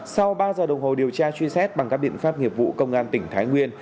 sau ba giờ đồng hồ điều tra truy xét bằng các biện pháp nghiệp vụ công an tỉnh thái nguyên